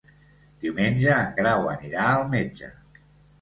Diumenge en Grau anirà al metge.